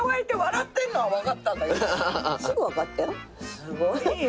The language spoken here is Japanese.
すごいよ。